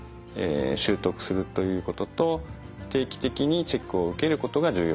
習得するということと定期的にチェックを受けることが重要です。